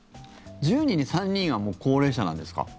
１０人に３人はもう高齢者なんですか？